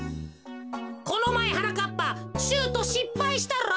このまえはなかっぱシュートしっぱいしたろ。